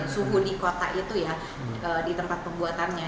suhu di kota itu ya di tempat pembuatannya